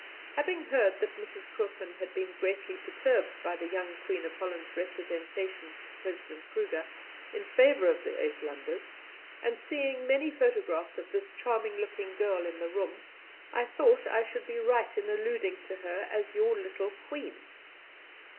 Having heard that Mrs. Koopman had been greatly perturbed by the young Queen of Holland's representations to President Kruger in favour of the Uitlanders, and seeing many photographs of this charming looking girl in the room, I thought I should be right in alluding to her as "your little Queen."